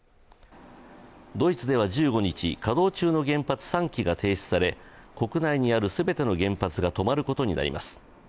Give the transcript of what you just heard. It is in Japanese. ドイツでは１５日、稼働中の原発３基が停止され国内にある全ての原発が止まることになります。